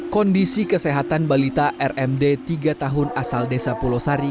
kondisi kesehatan balita rmd tiga tahun asal desa pulosari